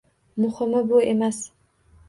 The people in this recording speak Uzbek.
Muhimi bu emas.